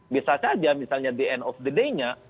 bisa saja misalnya the end of the day nya